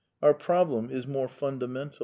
Our problem is more fundamental.